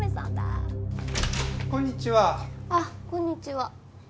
あっこんにちは。